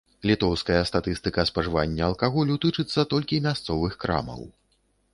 Літоўская статыстыка спажывання алкаголю тычыцца толькі мясцовых крамаў.